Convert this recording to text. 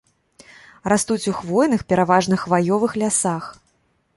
Растуць у хвойных, пераважна хваёвых лясах.